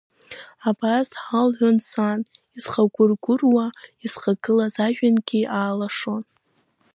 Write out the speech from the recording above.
Абас ҳалҳәон сан, исхагәыргәыруа исхагылаз ажәҩангьы аалашон.